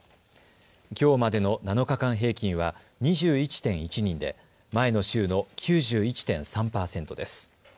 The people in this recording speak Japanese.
きょうまでの７日間平均は２１．１人で前の週の９１．３％です。